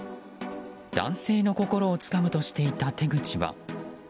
男性の心をつかむとしていた手口は。